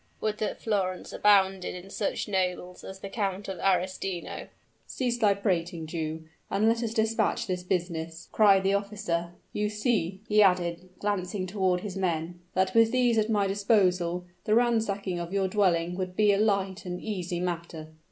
Would that Florence abounded in such nobles as the Count of Arestino!" "Cease thy prating, Jew, and let us dispatch this business," cried the officer. "You see," he added, glancing toward his men, "that with these at my disposal, the ransacking of your dwelling would be a light and easy matter."